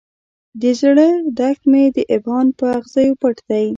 د زړه دښت مې د ابهام په اغزیو پټ دی.